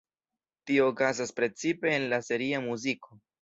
Tio okazas precipe en la seria muziko.